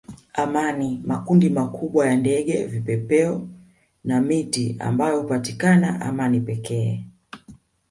amani makundi makubwa ya ndege vipepeo na miti ambayo hupatikana amani pekee